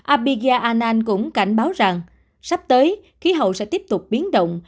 abiga an cũng cảnh báo rằng sắp tới khí hậu sẽ tiếp tục biến động